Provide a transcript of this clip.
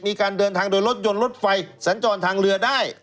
มีการเดินทางโดยรถยนต์รถไฟสัญจรทางเรือได้